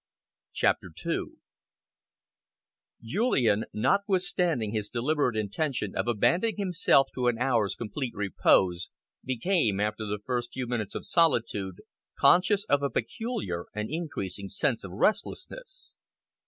CHAPTER II Julian, notwithstanding his deliberate intention of abandoning himself to an hour's complete repose, became, after the first few minutes of solitude, conscious of a peculiar and increasing sense of restlessness.